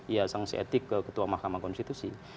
ya sanksi etik ke ketua mahkamah konstitusi